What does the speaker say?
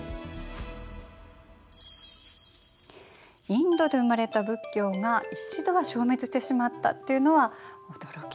インドで生まれた仏教が一度は消滅してしまったっていうのは驚きでした。